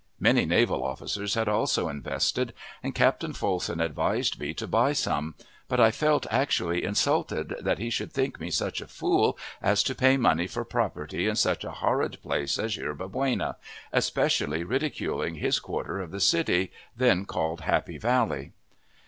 Many naval officers had also invested, and Captain Folsom advised me to buy some, but I felt actually insulted that he should think me such a fool as to pay money for property in such a horrid place as Yerba Buena, especially ridiculing his quarter of the city, then called Happy Valley.